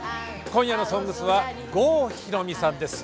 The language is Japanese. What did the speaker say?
今夜の「ＳＯＮＧＳ」は郷ひろみさんです。